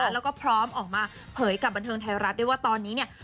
แล้วก็พร้อมออกมาเผยกับบันเทิงไทยรัฐด้วยว่าตอนนี้เนี่ย